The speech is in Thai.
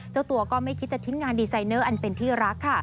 เจ้าตัวก็ไม่คิดจะทิ้งงานดีไซเนอร์อันเป็นที่รักค่ะ